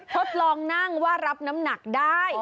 ทดลองนั่งว่ารับน้ำหนักได้